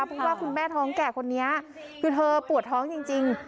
เพราะว่าคุณแม่ท้องแก่คนนี้คือเธอปวดท้องจริง